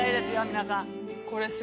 皆さん。